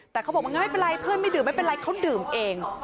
แต่เขาบอกว่างั้นไม่เป็นไรเพื่อนไม่ดื่มไม่เป็นไรเขาดื่มเอง